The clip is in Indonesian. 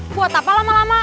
buat apa lama lama